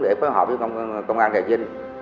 để phối hợp với công an trà vinh